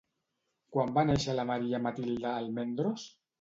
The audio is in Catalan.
Quan va néixer la Maria Matilde Almendros?